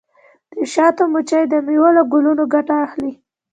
د شاتو مچۍ د میوو له ګلونو ګټه اخلي.